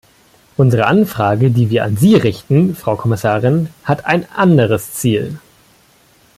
Unsere Anfrage, die wir an Sie richten, Frau Kommissarin, hat ein anderes Ziel.